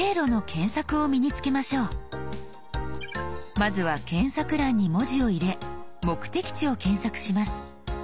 まずは検索欄に文字を入れ目的地を検索します。